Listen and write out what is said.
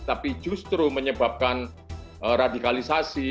tapi justru menyebabkan radikalisasi